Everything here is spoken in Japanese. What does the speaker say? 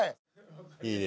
いいね。